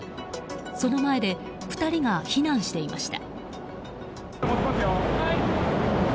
その前で２人が避難していました。